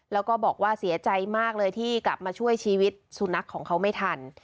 แล้วก็บอกว่าเสียใจมากเลยที่กลับมาช่วยชีวิตสุนัขของเขาไม่ทัน